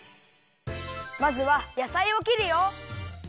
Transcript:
まずはやさいをきるよ。